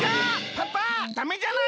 パパダメじゃないの！